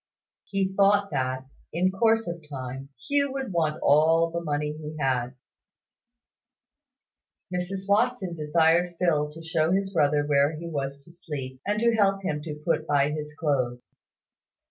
He thought that, in course of time, Hugh would want all the money he had. Mrs Watson desired Phil to show his brother where he was to sleep, and to help him to put by his clothes.